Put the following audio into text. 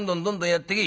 「やってけ？